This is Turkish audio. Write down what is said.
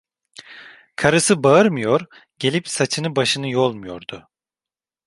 Karısı bağırmıyor, gelip saçını başını yolmuyordu…